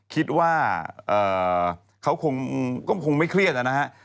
คิดว่าเขาก็คงไม่เครียดนะครับ